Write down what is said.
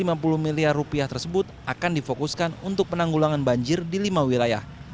anggaran sebesar satu ratus lima puluh miliar rupiah tersebut akan difokuskan untuk penanggulangan banjir di lima wilayah